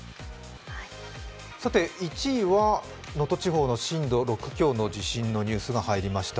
１位は能登地方の震度６強の地震のニュースが入りました。